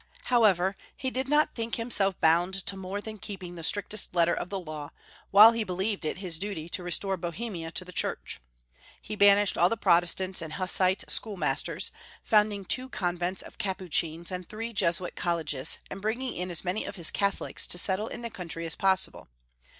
However, he did not think himself bound to more than keeping the strictest letter of the law, while he believed it his duty to restore Bohemia to the Church. He banished all the Protestants and Hussite school masters, founding two Convents of Capuchins and three Jesuit Colleges, and bringing in as many of his Catholics to settle in the country as possible.